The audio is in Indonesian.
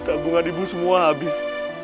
tabungan ibu semua habis